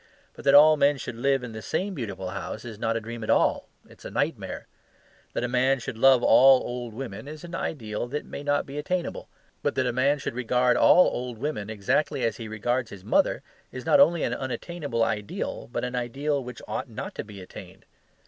But that all men should live in the same beautiful house is not a dream at all; it is a nightmare. That a man should love all old women is an ideal that may not be attainable. But that a man should regard all old women exactly as he regards his mother is not only an unattainable ideal, but an ideal which ought not to be attained.